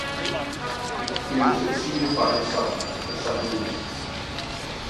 He was succeeded by his son, the second Duke.